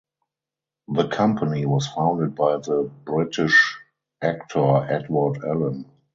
The Company was founded by the British actor Edward Allen.